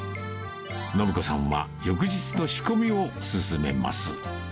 申子さんは翌日の仕込みを進めます。